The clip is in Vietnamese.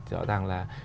rõ ràng là